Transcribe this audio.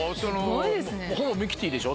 ほぼミキティでしょ？